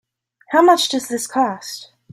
How much does this cost?